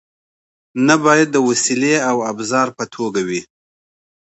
نه باید د وسیلې او ابزار په توګه وي.